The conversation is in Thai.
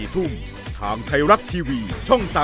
๔ทุ่มทางไทยรัฐทีวีช่อง๓๒